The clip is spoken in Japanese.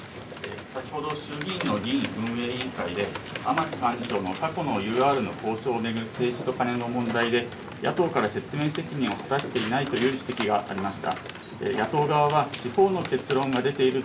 先ほど衆議院の議員運営委員会で甘利幹事長の過去のＵＲ問題をめぐってカネの問題で野党から説明責任を果たしていないという質問がありました。